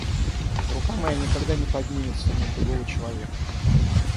Рука моя никогда не поднимется на другого человека.